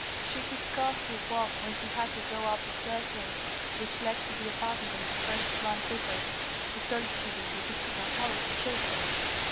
She could scarcely walk when she had to go up the staircase, which led to the apartment of the first grand Vicar. The solitude of the episcopal palace chilled her.